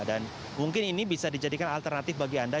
dan mungkin ini bisa dijadikan alternatif bagi anda